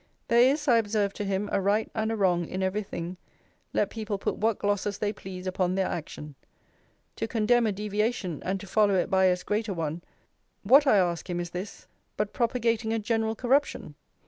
'There is, I observe to him, a right and a wrong in every thing, let people put what glosses they please upon their action. To condemn a deviation, and to follow it by as great a one, what, I ask him, is this, but propagating a general corruption?